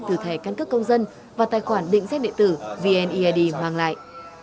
từ thẻ căn cấp công dân và tài khoản định xét địa tử vneid hoàng lại